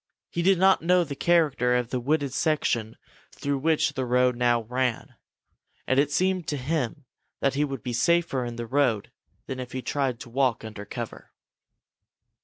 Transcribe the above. He did not know the character of the wooded section through which the road now ran, and it seemed to him that he would be safer in the road than if he tried to walk under cover.